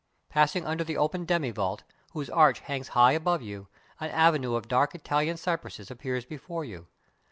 Passing under the open demi vault, whose arch hangs high above you, an avenue of dark Italian cypresses appears before you.